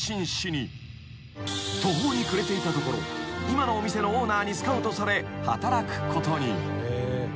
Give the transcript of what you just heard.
［途方に暮れていたところ今のお店のオーナーにスカウトされ働くことに］